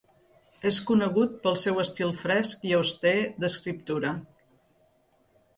És conegut pel seu estil fresc i auster d'escriptura.